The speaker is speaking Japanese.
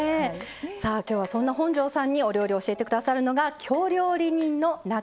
さあ今日はそんな本上さんにお料理を教えて下さるのが京料理人の中東久人さんです。